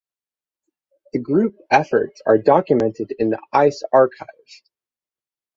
The group efforts are documented in the Eiss Archive.